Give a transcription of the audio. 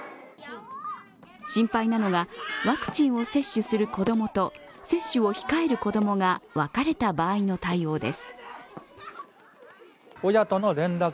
心配なのが、ワクチンを接種する子供と接種を控える子供が分かれた場合の対応です。